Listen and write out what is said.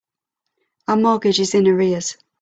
Our mortgage is in arrears.